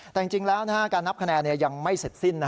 แต่จริงแล้วการนับคะแนนยังไม่เสร็จสิ้น